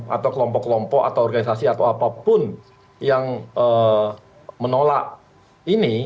atau kelompok kelompok atau organisasi atau apapun yang menolak ini